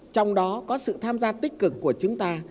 trong đó có sự tham gia tích cực của chúng ta